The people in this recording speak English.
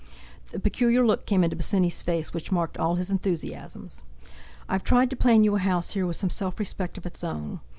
The peculiar look came into Bosinney's face which marked all his enthusiasms. "I've tried to plan you a house here with some self respect of its own.